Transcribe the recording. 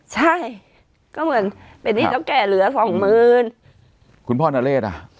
ใช่ก็เหมือนเป็นหนี้เท่าแก่เหลือสองหมื่นคุณพ่อนเรศอ่ะ